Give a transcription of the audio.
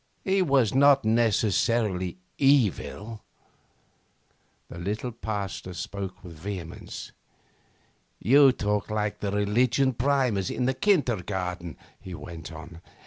He was not necessarily evil.' The little Pasteur spoke with vehemence. 'You talk like the religion primers in the kindergarten,' he went on.